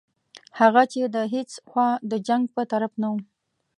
هغه چې د هیڅ خوا د جنګ په طرف نه وو.